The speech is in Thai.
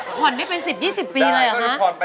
มันเป็นเพลงวัยนี้คิดว่าคุณวิมเนี่ยน่าจะร้องได้